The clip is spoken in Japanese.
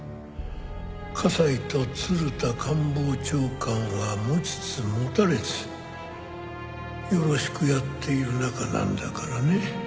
加西と鶴田官房長官は持ちつ持たれつよろしくやっている仲なんだからね。